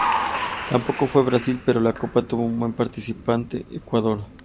Tampoco fue Brasil pero la copa tuvo un nuevo participante: Ecuador.